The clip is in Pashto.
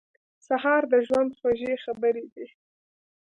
سهار د ژوند خوږې خبرې دي.